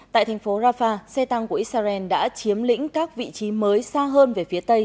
tại thành phố rafah xe tăng của israel đã chiếm lĩnh các vị trí mới xa hơn về phía tây